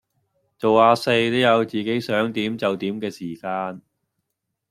做呀四都有自己想點就點既時間